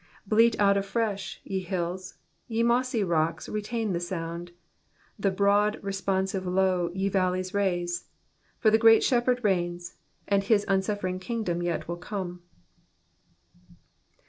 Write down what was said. Bleat out afresh, ye hills ; ye mossy rocks Retain the sound ; the broad responsive low Te valleys raise ; for the Great 8hkphbkd reigns, And his unsi^ering kingdom yet will como.